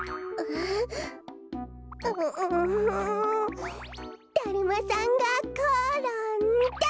ううだるまさんがころんだ！